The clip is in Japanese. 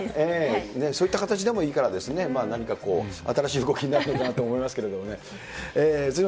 そういった形でもいいから、なんかこう、新しい動きになればと思いますけれどもね。